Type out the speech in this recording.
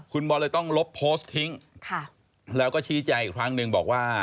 คุณบอลเลยต้องลบโพสต์ทิ้งแล้วก็ชี้แจงอีกครั้งหนึ่งบอกว่า